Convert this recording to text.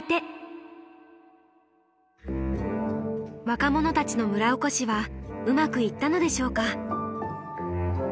若者たちの村おこしはうまくいったのでしょうか？